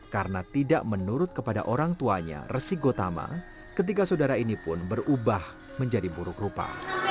karena tidak menurut kepada orang tuanya resi gotama ketika saudara ini pun berubah menjadi buruk rupa